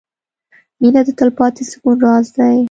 • مینه د تلپاتې سکون راز دی.